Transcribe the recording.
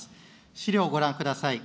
資料をご覧ください。